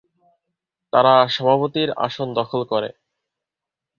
তারা সভাপতির আসন দখল করে।